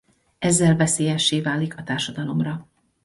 Ezzel veszélyessé válik a társadalomra.